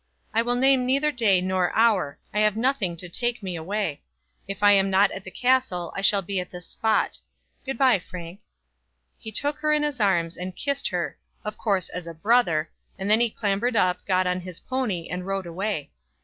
"I will name neither day nor hour. I have nothing to take me away. If I am not at the castle I shall be at this spot. Good bye, Frank." He took her in his arms and kissed her, of course as a brother; and then he clambered up, got on his pony, and rode away.